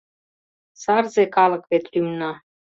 Сарзе калык вет лӱмна